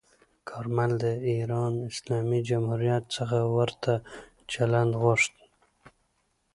کارمل د ایران اسلامي جمهوریت څخه ورته چلند غوښت.